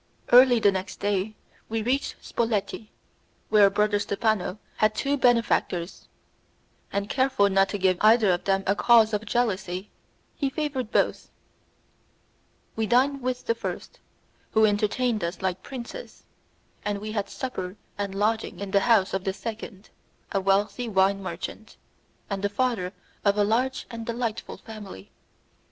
Early the next day we reached Spoleti, where Brother Stephano had two benefactors, and, careful not to give either of them a cause of jealousy, he favoured both; we dined with the first, who entertained us like princes, and we had supper and lodging in the house of the second, a wealthy wine merchant, and the father of a large and delightful family.